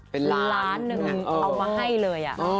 เป็นล้านหนึ่งเอามาให้เลย